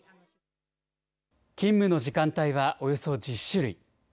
勤務の時間帯はおよそ１０種類。